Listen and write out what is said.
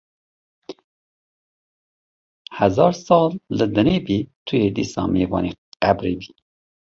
Hezar sal li dinê bî tu yê dîsa nîvanê qebrê bî